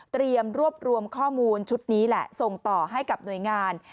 รวบรวมข้อมูลชุดนี้แหละส่งต่อให้กับหน่วยงาน